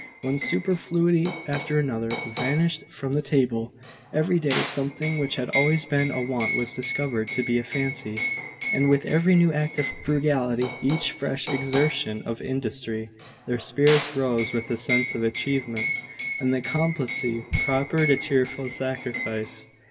One superfluity after another vanished from the table; every day something which had always been a want was discovered to be a fancy; and with every new act of frugality, each fresh exertion of industry, their spirits rose with a sense of achievement, and the complacency proper to cheerful sacrifice.